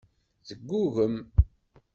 Teggugem.